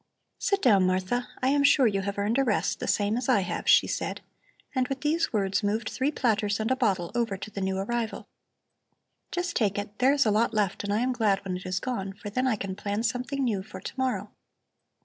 "Sit down, Martha. I am sure you have earned a rest, the same as I have," she said, and with these words moved three platters and a bottle over to the new arrival. "Just take it. There is a lot left and I am glad when it is gone, for then I can plan something new for to morrow."